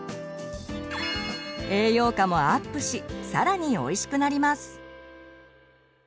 栄養価もアップし更においしくなります。